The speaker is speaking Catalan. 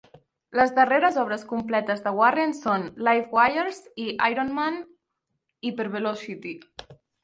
Les darreres obres completes de Warren són "Livewires" i "Iron Man: Hypervelocity".